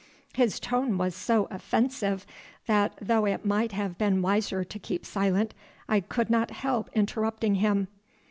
His tone was so offensive that, though it might have been wiser to keep silent, I could not help interrupting him.